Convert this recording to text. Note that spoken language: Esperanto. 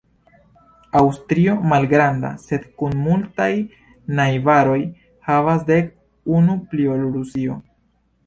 Aŭstrio, malgranda, sed kun multaj najbaroj, havas dek, unu pli ol Rusio.